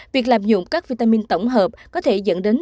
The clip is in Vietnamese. việc làm dụng các vitamin tổng hợp có thể dẫn đến